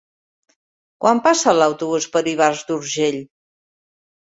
Quan passa l'autobús per Ivars d'Urgell?